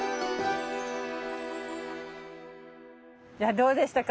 どうでしたか？